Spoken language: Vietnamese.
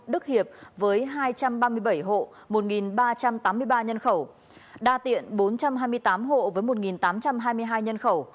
đức hiệp với hai trăm ba mươi bảy hộ một ba trăm tám mươi ba nhân khẩu đa tiện bốn trăm hai mươi tám hộ với một tám trăm hai mươi hai nhân khẩu